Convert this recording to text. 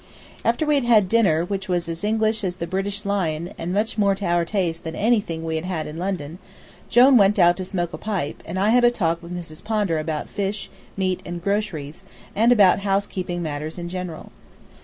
After we had dinner, which was as English as the British lion, and much more to our taste than anything we had had in London, Jone went out to smoke a pipe, and I had a talk with Miss Pondar about fish, meat, and groceries, and about housekeeping matters in general.